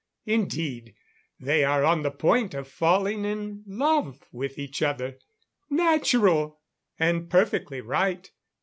Indeed, they are on the point of falling in love with each other. Natural! And perfectly right.